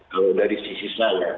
kalau dari sisi saya